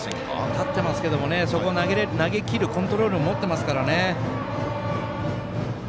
立ってますけどそこに投げきれるコントロールを持ってますからね。